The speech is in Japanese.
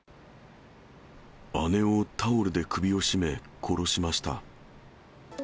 姉をタオルで首を絞め、殺しました。